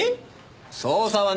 捜査はね